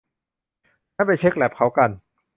งั้นไปเช็คแลปเขากัน